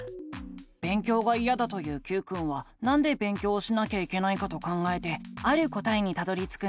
勉強がいやだと言うＱくんはなんで勉強をしなきゃいけないかと考えてある答えにたどりつくんだ。